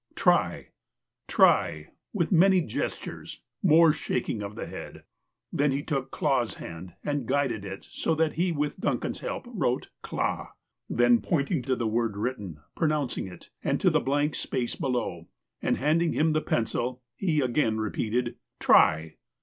" Try ! try !" with many gestures. More shaking of the head. Then he took Clah's hand and guided it, so that he, with Duncan's help, wrote " Clah." Then, pointing to the word written, pronouncing it, and to the blank space below, and handing him the pencil, he again repeated : ''Try